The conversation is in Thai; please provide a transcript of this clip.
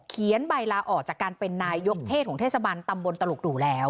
เขียนใบลาออกจากการเป็นนายยกเทศของเทศบันตำบลตลุกดูแล้ว